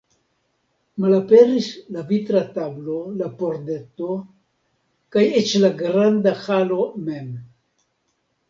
Malaperis la vitra tablo, la pordeto, kaj eĉ la granda halo mem.